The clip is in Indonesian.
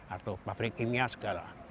atau pabrik kimia segala